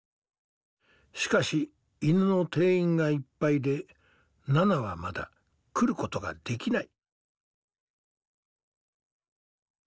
しかし犬の定員がいっぱいでナナはまだ来ることができない。